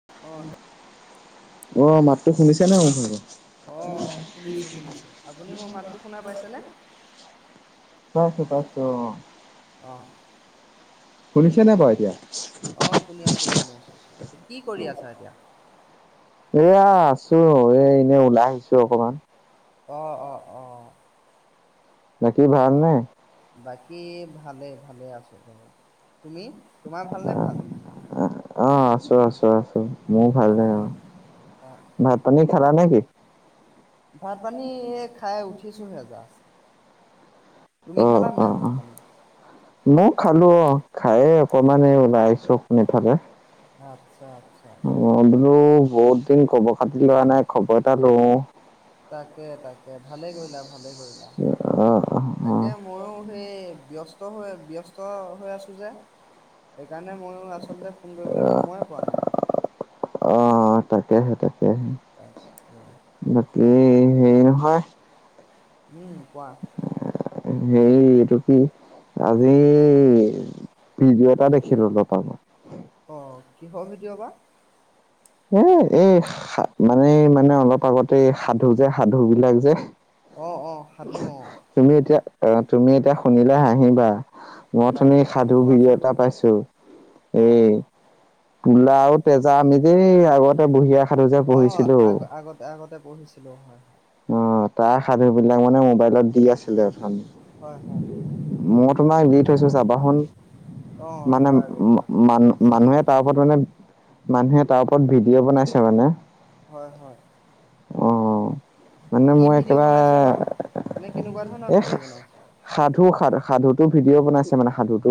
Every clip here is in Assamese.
হু উ অ', উ উম হু উ উ উ উ উ উ, অ' মাতটো শুনিছে নে মোৰ? অ' শুনিছো শুনিছো, আপুনি মোৰ মাতটো শুনা পাইছেনে? পাইছো পাইছো অ' অ অ। অ'। শুনিছেনে বাৰু এতিয়া ছিছ্? অঁ শুনি আছোঁ শুনি আছোঁ। এ কি কৰি আছা এতিয়া? এয়া আছো, এই এনেই ওলাই আহিছো অকমান। অঁ অঁ অঁ। বাকী ভাল নে? বাকী ভালেই ভালেই আছো বাৰু, তুমি তোমাৰ ভালনে ভাল? অঁ, আছো আছো আছো। মোৰো অ', ভালেই অঁ, অ', অ', ভাত পানী খালা নেকি? ভাত পানী এই খাই উঠিছোহে জাষ্ট। তুমি খালা নাই ভাত পানী? মই খালো অঁ, খায়েই অকমান এই ওলাই আহিছো এইফালে। আচ্ছা আচ্ছা। ভাবিলো বহুত দিন খবৰ খাতি লোৱা খবৰ এটা লওঁ। তাকে তাকে ভালেই কৰিলা ভালে কৰিলা, অ', অ', অ'। তাকে মইয়ো সেই ব্যস্ত হৈ ব্যস্ত হৈ আছো যে, সেইকাৰণে মইয়ো আচলতে ফোন কৰিবলৈ সময়ে পোৱা নাই। অঁ, তাকেহে তাকেহে। [inaudible] বাকী, হেৰি নহয়। উম, কোৱা? হেৰি, এইটো কি আজি ভিডিঅ এটা দেখিলো তাপা। অঁ, কিহৰ ভিদিও বা। এই এ মানেই মানে অলপ আগতে যে সাধু যে সাধু বিলাক যে অঁ অঁ সাধু অঁ। তুমি এতিয়া এতিয়া শুনিলে হাঁহিবা। মই উঠনি তাকে তাকে সাধু ভিডিঅ কোৱাচোন এটা বাৰু পাইছো অ এই। তোলা আৰু তেজা আমি দেই আগতে বুঢ়ী আই সাধু যে অ পঢ়িছিলো। আগ আগতে আগতে পঢ়িছিলোঁ হয়। অঁ তাৰ সাধু বিলাক মানে মোবাইল দি আছিলে এখন হয় হয় মই তোমাক দি থৈছো চাবাচুন। অ মানে বাৰু বাৰু মান চাম মানুহে বাৰু তাৰ ওপৰত মানে মানুহে তাৰ ওপৰত ভিডিঅ' বনাইছে মানে। হয় হয়। অ' মানে কি মই ভিডিঅ' একেবাৰে বনাইছে বা মানে কেনেকুৱা ধৰণৰ এইহ। ভিডিঅ' বনাইছে সাধু সাধু সাধুটো ভিডিঅ' বনাইছে মানে সাধুটো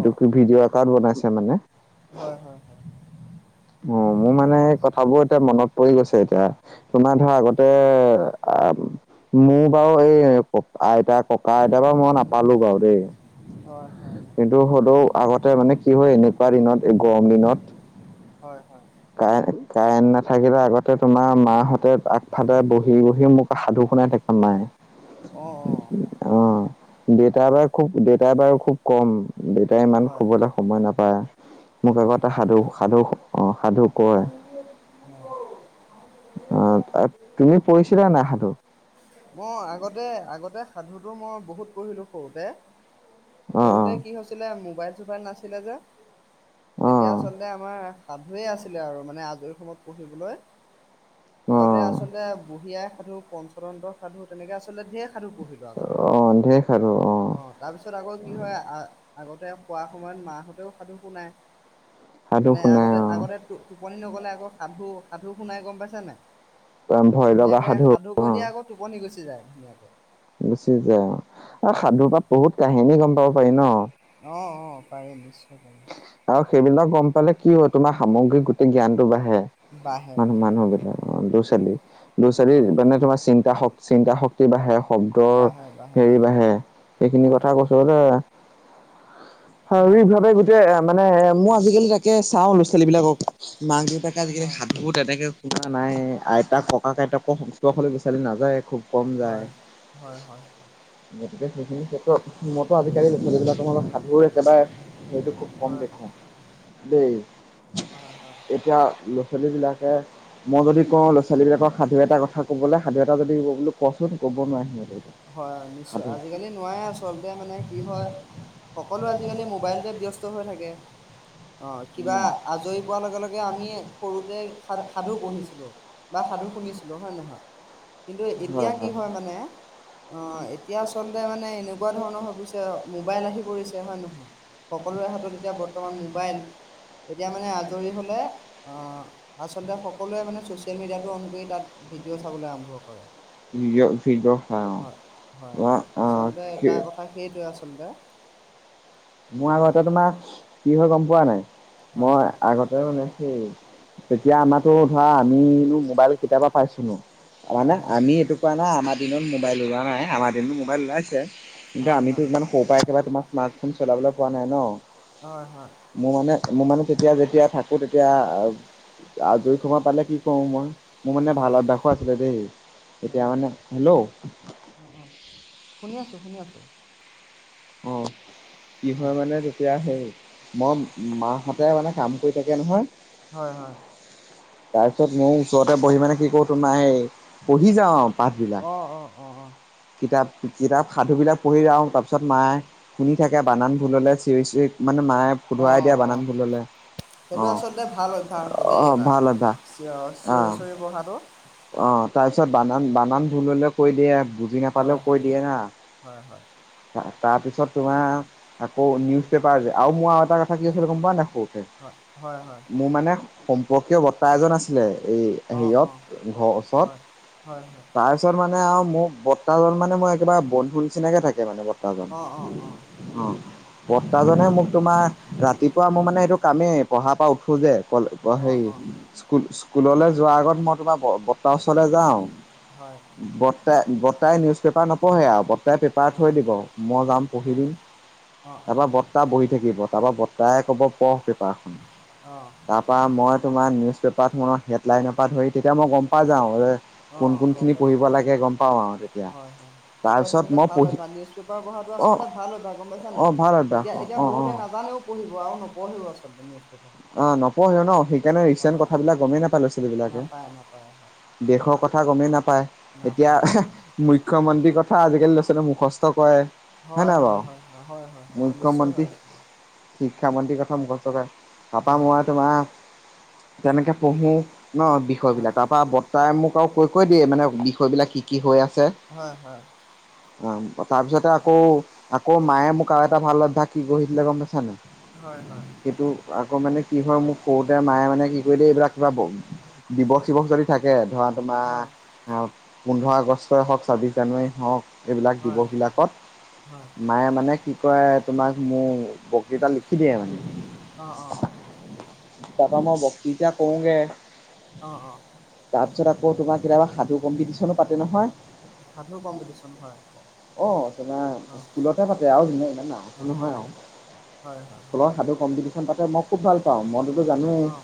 অ কি ভিডিঅ'। তাই বনাইছে মানে, হয় হয় হয় অঁ মোৰ মানে আচ্ছা সাধু এটা এতিয়া মনত পৰি গৈছে এতিয়া, তোমাৰ ধৰা অ আগতে অ অ মোৰ বাৰু এই আইতা ককা আইতা পৰা মই নাপালো বাৰু দেই। হয় হয় কিন্তু হয়টো আগতে মানে কি হয় এনেকুৱা দিনত এই গৰম দিনত হয় হয়। কাৰেণ্ট নাথাকিলে আগতে তোমাৰ মাহঁতে, আগফালে বহি বহি মোক সাধু শুনাই থাকে মায়ে। অঁ অঁ। অঁ দেউতা বাৰু খুব দেউতাই বাৰু খুব কম, দেউতাই সিমান হয় খবলে সময় নাপায় মোক আগতেই তাকে এটা সাধু সাধু অঁ সাধু কয়। অঁ। অঁ তুমি পৰি়ছিলা নে সাধু? মই আগতে -আগতে সাধুটো মই বহুত পঢ়িলোঁ সৰুতে। অ' সৰুতে অ' কি হৈছিলে মোবাইল চোবাইল নাছিলে যে? তেতিয়া অ' আচলতে আমাৰ সাধুৱে আছিলে আৰু মানে আজৰি সময়ত পঢ়িবলৈ। আগতে অ' আচলতে বুঢ়ী আই সাধু পঞ্চতন্ত্ৰ সাধু তেনেকে আচলতে ধেই সাধু পহিলো। অ ধেই সাধু অ, তাৰপিছত আকৌ কি হয় আগতে সোৱা সময়ত মা হঁতেও সাধু শো নাই সাধু মানে শুনাই আগতে আগতে তো, টোপনি নগ'লে আকৌ সাধু সাধু শুনাই গম পাইছ নাই অ' ভয় লগা ধুনীয়াকৈ সাধু কৈ অ' দিয়ে আকৌ। টোপনি গুচি যায় ধুনীয়াকে। গুচি যায় আৰু হয় সাধুৰ হয় পৰা বহুত কাহিনী গম পাব পাৰি ন? অঁ -অঁ পাৰি নিশ্চয় পাৰি। আৰু সেইবিলাক গম পালে কি হয় তোমাৰ সামগ্ৰীক গোটেই জ্ঞানটো বাঢ়ে। বাঢ়ে মান বাঢ়ে মানুহ হয় বিলাক ল' অ ছোৱালী ল'ৰা ছোৱালী অ মানে তোমাৰ চিন্তা শক্তি বাঢ়ে শব্দৰ বাঢ়ে বাঢ়ে হয় হেৰি বাঢ়ে সেইখিনি কথা কৈছোঁ [unintelligible] হয় শাৰিৰীক ভাৱে তাকে মানে মই আজিকালি তাকে চাওঁ ল'ৰা ছোৱালী বিলাকক মাক দেউতাকে আজিকালি হয়, হাত, তেনেকে শুনা নাই আইতাক ককা আইতাক, [unintelligible] বিচাৰি নাযায় খুব কম হয়, যায়। হয়, হয়, গতিকে সেইখিনি ক্ষেত্ৰত মইতো আজিকালি ল'ৰা ছোৱালিবিলাক সাধুৰ একেবাৰে সেইটো খুব কম হয়, দেখো দেই হয়- হয় এতিয়া ল'ৰা ছোৱালীবিলাকে, মই যদি কওঁ ল'ৰা ছোৱালীবিলাকক সাধু এটা কথা ক'বলৈ সাধু এটা যদি বুলি কওঁচোন ক'ব নোৱাৰিব হয় হয় নিশ্চয় আজিকালি নোৱাৰে আচলতে মানে কি হয় সকলোৱে আজিকালি মোবাইলতে ব্যস্ত হৈ থাকে অ কিবা আজৰি পোৱাৰ লগে লগে আমি সৰুতে সা সাধু পঢ়িছিলোঁ বা সাধু শুনিছিলোঁ হয়নে নহয় কিন্তু এতিয়া কি হয় মানে অ এতিয়া আচলতে মানে এনেকুৱা ধৰণৰ হৈ পৰিছে মোবাইল আহি পৰিছে হয় নহয় সকলোৰে হাতত এতিয়া বৰ্তমান মোবাইল এতিয়া মানে আজৰি হ'লে আচলতে সকলোৱে মানে ছ'চিয়েল মিডিয়াটো অন কৰি তাত ভিডিঅ' চাবলে আৰম্ভ কৰে ভিডিঅ' ভিডিঅ হয় হয় আচলতে এটা কথা সেইটোৱে আচলতে মোৰ আগতে তোমাৰ কি হৈ গম পোৱা নাই হয় মই হয় আগতে মানে সেই তেতিয়া আমাতো ধৰা আমিনো মোবাইল কেতিয়াবা পাইছোঁ নো হয় মানে হয় আমি কোৱা নাই আমাৰ দিনত মোবাইল ওলোৱা নাই আমাৰ দিনত মোবাইল ওলাইছে কিন্তু হয় হয় আমিতো ইমান সৰু পৰা একেবাৰে তোমাৰ স্মাৰ্টফোন চলাবলৈ পোৱা নাই ন হয় হয় মোৰ মানে মোৰ মানে তেতিয়া যেতিয়া থাকোঁ তেতিয়া আজৰি সময় পালে কি কৰোঁ মই মোৰ মানে হয় ভাল অভ্যাসো আছিলে দেই হয় এতিয়া হয় মানে হেল্ল' অ অ শুনি আছোঁ শুনি আছোঁ অ কি হয় মানে তেতিয়া সেই মই মাহঁতে মানে কাম কৰি থাকে নহয় হয় হয় তাৰপিছত মোৰ ওচৰতে বহি মানে কি কৰোঁ তোমা এই - পঢ়ি যাওঁ পাঠ অ বিলাক অ অ অ কিতাপ কিতাপ সাধুবিলাক পঢ়ি আওঁ তাৰপিছত মায়ে শুনি থাকে বানান ভুল হলে সিৰি চিৰিক মানে মায়ে অ শুধুৱাই দিয়ে অ বানান ভুল হলে। সেইটো আহ আচলতে ভাল অভ্যাস আকৌ দেই আহ এটা ভাল অভ্যাস চিঞ চিঞৰি আহ। চিঞৰি পঢ়াটো অ তাৰ পিছত বানান বানান ভুল হলেও কৈ দিয়ে বুজি হয় নাপালেও কৈ হয় দিয়ে হা। হয় হয়। তাৰ পি ছত তোমাৰ আকৌ নিউজ পেপাৰ যে আৰু মোৰ আৰু এটা কথা কি আছিলতে গম পোৱা নাই সৰুতে হয় হয় হয় মোৰ মানে সম্পৰ্কীয় বৰ্তা এজন আছিলে এই অ অ হেৰিয়ত, ঘৰৰ হয় ওচৰত হয় হয় তাৰ পিছত মানে আৰু মোৰ বৰ্তাজন মানে মই একেবা বন্ধু নিচিনাকে থাকে মানে বৰ্তাজন। অ অ অ অ বৰ্তাজনে মোক তোমাৰ ৰাতিপুৱা মোৰ মানে এইটো কামেই পঢ়াৰ পৰা উঠো যে অ', হেৰি অ', স্কু স্কুললৈ যোৱাৰ আগত মই তোমাৰ বৰ্তা ওচলে যাওঁ, হয়, বৰ্তাই বৰ্তাই নিউজ পেপাৰ নপঢ়ে আৰু বৰ্তাই পেপাৰ থৈ অ', দিব। মই যাম পঢ়ি হয়, দিম অ', অ', তাৰপৰা বৰ্তা বহি থাকিব তাৰপৰা বৰ্তা তাই ক'ব পঢ় পেপাৰখন। অ', তা পা মই তোমাৰ নিউজ পেপাৰখনৰ হেডলাইনৰ পৰা ধৰি তেতিয়া মই গম পাই যাওঁ যে অ কোন গম কোনখিনি পাইছো পঢ়িব হয় লাগে গম পাওঁ আৰু তেতিয়া হয় হয় সেইটো তাৰপিছত আচলতে মই ভাল হয় পঢ়ি বা নিউ ছ পেপাৰ পঢ়াটো অঁ আচলতে ভাল হয় বা গম পাইছ নে অঁ ভাল আনি অভ্যাস এতিয়া অঁ অঁ অঁ আছলতে নাজানেও পঢ়িব আৰু নপঢ়েও আচলতে। [unintelligible] অ নপঢ়োহে ন সেইকাৰণে ৰিচেণ্ট হয়, হয়, কথাবিলাক গমেই নাপাই লৰা ছোৱালী নাপায় নাপায় হয়। দেশৰ কথা গমেই নাপায় এতিয়া নাপায়, নাপায়। মুখ্যমন্ত্ৰীৰ কথা আজিকালি লৰা ছোৱালী মুখস্থ কয়, হয় নহয় বাও হ হয়, হয়, হয়, হয়, হয় নিশ্চয় মুখ্যয়মন্ত্ৰী হয় আচলতে, হয়, শিক্ষা মন্ত্ৰীৰ কথা মুখস্থ কৰে টাপা হয়। মোৰ তোমাৰ কেনেকে পঢ়ো ন' বিষয় বিলাক, হয়, তাৰ পৰা বৰ্তাই মোক আৰু কৈ কৈ দিয়ে, মানে বিষয় বিলাক কি কি হৈ আছে। হয়, হয়। উম। অঁ, তাৰপিছতে আকৌ, আকৌ মায়ে মোক আৰু এটা ভাল অভ্যাস কি গঢ়ি দিলে গম পাইছানে নাই? হয় হয়। সেইটো আকৌ মানে কি হয় মোক সৰুতে মায়ে মানে কি কৰিলে এইবিলাক কিবা, দিৱস-চিৱস যদি থাকে, ধৰা তোমাৰ হয়, আহ, পোন্ধৰ আগষ্টই হওক, ছাব্বিশ জানুৱাৰী হওক, এইবিলাক হয়, দিৱস বিলাকত হয়, মায়ে মানে কি কৰে, তোমাক মোৰ কেইটা লিখি দিয়ে মানে, অ', অ', তাৰাপৰা মই বক্তিতা কৰওঁগে অ', অ', তাৰপিছত আকৌ তোমাৰ কেতিয়াবা সাধু কম্পিটিশনো পাতে সাধু নহয়। কম্পিটিশ্যন হয়। অ' তোমাৰ অ', স্কুলতে পাতে আৰু ইনে ইমান ডাঙৰ কে অ', অ', নহয় আৰু। হয়, হয়। স্কুলত সাধু কম্পিটিশ্যন পাতে মই খুব ভাল পাওঁ, মইতোতো জানোৱেই। অ',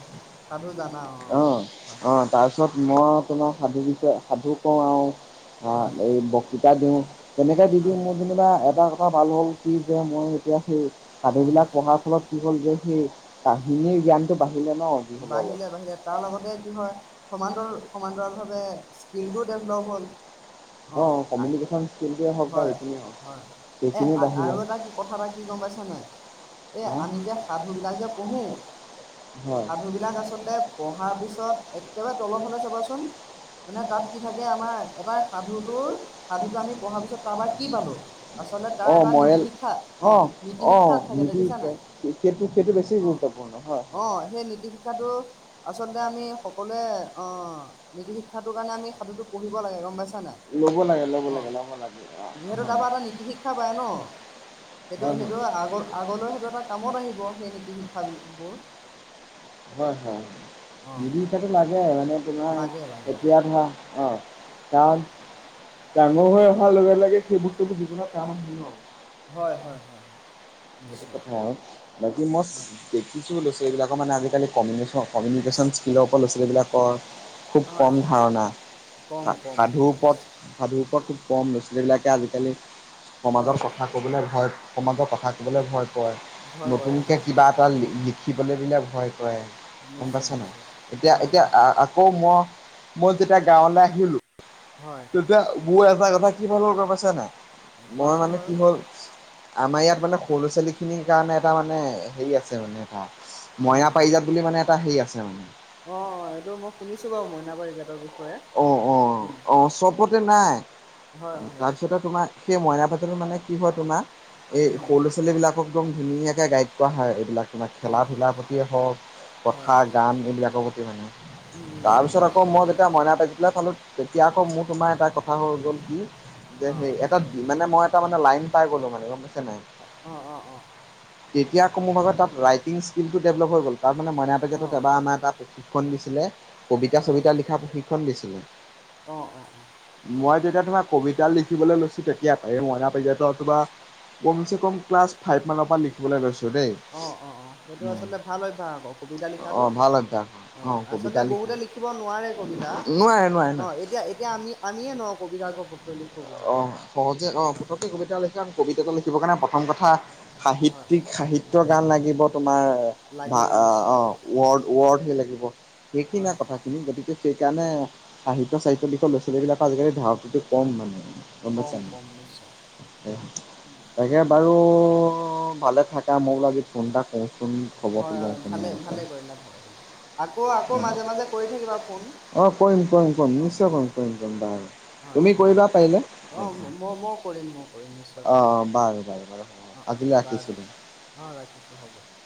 সাধু জানা অ' হয়। অ তাৰপিছত মই তোমাক সাধু বিষয়ে সাধু কওঁ আৰু। হা, হয়, এই বক্তৃতা দিওঁ, তেনেকে দি দি হয়, মোৰ এটা কথা ভাল হ'ল কি যে মই, এতিয়া সেই সাধুবিলাক পঢ়াৰ ফলত কি হ'ল যে সেই কাহিনীৰ জ্ঞানটো বাঢ়িলে ন যি হ'লেও অলপ। বাঢ়িলে-বাঢ়িলে তাৰ লগতে কি হয় সমান্তৰাল, সমান্তৰালভাৱে স্কিলটো ডেভলপ হ'ল, অ'। কমিউনিকেশ্যন স্কিলটোৱেই হওক বা হয়, এইখিনিয়ে হওক, হয়। এ এইখিনিয়ে আৰু বাহিলে। এটা কি কথা এটা কি গম পাইছা নাই, এই আমি যে সাধুবিলাক যে পঢ়োঁ হয়। পিছত একেবাৰে তলৰ ফালে চাবাচোন মানে তাত কি থাকে আমাৰ, এটা সাধুটোৰ, সাধুটো আমি পঢ়াৰ পিছত তাৰপৰা কি পালোঁ, আচলতে অ তাৰ এটা নীতি মৰেল শিক্ষা, অ' নীতি শিক্ষাত থাকে, টোৱে, দেখিছোঁ। ক্ৰিকেটতো সেইটো বেছি গুৰুত্বপূৰ্ণ হয়। অ' সেই নীতি শিক্ষাটো আচলতে আমি সকলোৱে, অ' নীতি শিক্ষাটোৰ কাৰণে আমি সাধুটো পঢ়িব লাগে গম পাইছা নাই ল'ব লাগে, ল'ব অ লাগে, ল'ব লাগে। যিহেতু তাৰপৰা এটা নীতি শিক্ষা পায় ন'। সেইটো, অ সেইটো আগ, আগলৈ সেইটো এটা কামত আহিব, সেই নীতি শিক্ষাবিল, বোৰ। হয়, হয়। অ নীতি শিক্ষাটো লাগে, মানে তোমাৰ লাগে লাগে এতিয়া ধৰা অ' কাৰণ ডাঙৰ হৈ অহাৰ লগে, লগে সেই বস্তুটো জীৱনত কামত আহিব। হয়, হয়, হয়। সেইটো নিশ্চয় কথা আৰু, বাকী মই হয় দেখিছো, লৈছো, এইবিলাকৰ মানে আজি আজিকালি কমিউশ্যন, কমিউনিকেশ্যন স্কিলৰ ওপৰত ল'ৰা-ছোৱালী বিলাকক কয়। খুব হয় কম ধাৰণা, কম কম সা-সাধুৰ কম ওপৰত নিশ্চয় সাধুৰ ওপৰত খুব কম, ল'ৰা-ছোৱালীবিলাকে আজিকালি, সমাজৰ হয় কথা ক'বলৈ ভয়, সমাজৰ কথা ক'বলে ভয় কৰে। ভয় কৰে নতুনকৈ ভয় কৰে কিবা এটা লিখিবলৈ দিলে ভয় কৰে। গম নিশ্চয় পাইছে নাই। নিশ্চয় এতিয়া, হয় এতিয়া হয় আ-আকৌ মই, মই যেতিয়া গাঁৱলৈ আহিলোঁ হয় তেতিয়া মোৰ এটা কথা কি ভাবিলোঁ গম পাইছা নাই। মই কোৱাচোন মানে বাৰু কি হ'ল, আমাৰ ইয়াত মানে সৰু ল'ৰা ছোৱালী খিনিৰ কাৰণে এটা মানে, হেৰি আছে আৰু। মানে এটা, উম, মইনা পাৰিজাত বুলি মানে এটা হেৰি আছে আৰু। অ', অ' এইটো মই শুনিছো বাৰু, মইনা পাৰিজাতৰ বিষয়ে। অ', অ', উম অ ', চবতে নাই, হয় হয় তাৰপিছতে তোমাৰ সেই মইনা পাৰিজাতত মানে কি হয় তোমাৰ, এই উম সৰু ল'ৰা-ছোৱালী বিলাক ক একদম ধুনীয়াকে গাইড কৰা হয়, এইবিলাক। তোমাৰ অ খেলা অ ধূলাৰ প্ৰতিয়ে হওঁক, হয় কথা গান এইবিলাকৰ প্ৰতি হওঁক মানে। উম গম তাৰপিছত আকৌ পাইছোঁ গম মই যেতিয়া পাইছোঁ মইনা ফাইভ ক্লাছ পালো, তেতিয়া আকৌ মোৰ তোমাৰ এটা কথা হৈ গ'ল কি যে অ সেই এক তাত মানে মই এটা মানে, লাইন পাই গ'লো মানে গম পাইছে নাই। অ', অ'। অ তেতিয়া আকৌ মোৰ ভাগত তাত ৰাইটিং স্কিলটো ডেভলপ হৈ গ'ল, তাত মানে মইনা অ পাৰিজাতত এবাৰ আমাৰ তাত প্ৰশিক্ষণ দিছিলে, হয় কবিতা-চবিতা লিখা প্ৰশিক্ষণ দিছিলে। অ অ অ মই যেতিয়া তোমাৰ কবিতা লিখিবলৈ লৈছো তেতিয়া পাই, এই মইনা পাৰিজাতত তোমাৰ কমচে, কম ক্লাছ ফাইভ মানৰ পৰা লিখিবলৈ লৈছো দেই, অ অ অ সেইটো আচলতে ভাল অভ্যাস আকৌ কবিতা উম। লিখাটো অ' ভাল অভ্যাস, অ' আচলতে কবিতা বহুতে লিখো। লিখিব নোৱাৰে কবিতা। নোৱাৰে, নোৱাৰে। অ' এতিয়া এতিয়া আমি আমিয়ে ন' কবিতা গ্ৰপকৈলি অ', সহজে অ' পটককে কবিতা লিখে আৰু কবিতাটো লিখিবৰ কাৰণে প্ৰথম কথা হয় সাহিত্যিক সাহিত্য গান লাগিব তোমাৰ মা, লাগিব আ, নিশ্চয় অ' লাগিব হয় ৱৰ্ড ৱৰ্ডহে লাগিব সেইখিন হয় কথা। তুমি গতিকে সেইকাৰণে সাহিত্য চাহিত্য লিখাৰ লৰা ছোৱালীবিলাকৰ আজিকালি ধাউতিটো কম মানে। কম গমপাছা। কম নিশ্চয় [unintelligible] [unintelligible] তাকে বাৰু ভালে থাকে মোৰ মইও বোলো আজি ফোন এটা কৰোচোন খবৰটো হয় -হয় লওঁচোন ভালে ইয়াৰ -ভালে বিষয়ে। কৰিলে ভালে কৰিলা আকৌ আকৌ মাজে মাজে কৰি থাকিবা ফোন। অ', -কৰিম কৰিম কৰিম অ নিশ্চয় অ কৰিম কৰিম পম বাৰু। তুমি হয় হয় কৰিবা পাৰিলে অ', মই মই কৰিম মই কৰিম নিশ্চয় কৰিম। অ' বাৰু -বাৰু- হ'ব, আজিলৈ ৰাখিছোঁ বাৰু দিয়া। অ', - ৰাখিছো হ'ব দে।